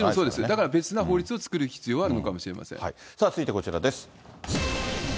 だから別の法律を作る必要はあるのかもし続いてこちらです。